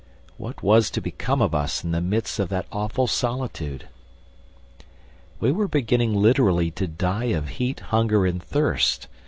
What was to become of us in the midst of that awful solitude? We were beginning literally to die of heat, hunger and thirst